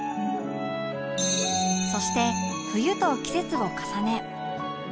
そして冬と季節を重ね